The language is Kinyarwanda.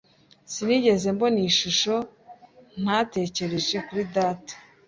Sinigeze mbona iyi shusho ntatekereje kuri data.